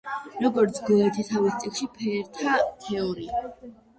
როგორც გოეთე თავის წიგნში „ფერთა თეორია“.